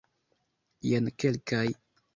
Jen kelkaj.